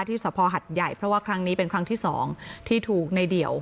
สภหัดใหญ่เพราะว่าครั้งนี้เป็นครั้งที่สองที่ถูกในเดี่ยว